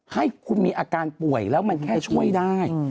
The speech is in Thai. ให้คุณมีอาการป่วยแล้วมันแค่ช่วยได้